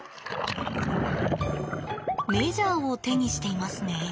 メジャーを手にしていますね。